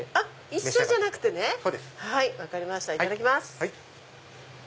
一緒じゃなくてね分かりましたいただきます。